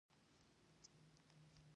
پي ټي ايم د پښتنو نوی امېد دی.